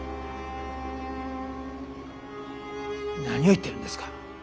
何を言ってるんですか？